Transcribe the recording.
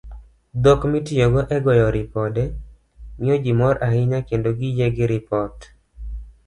Dhok mitiyogo e goyo ripode, miyo ji mor ahinya kendo giyie gi ripot.